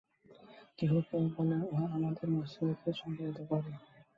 কেহ কেহ বলেন, উহা আমাদের মস্তিষ্ককে সঞ্চালিত করে।